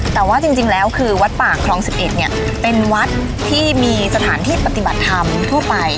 แต่ว่าจริงแล้วคือวัดป่าคลอง๑๑เนี่ยเป็นวัดที่มีสถานที่ปฏิบัติธรรมทั่วไป